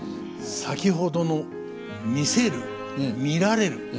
先ほどの「見せる」「見られる」